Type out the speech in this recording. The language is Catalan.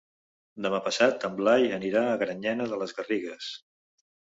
Demà passat en Blai anirà a Granyena de les Garrigues.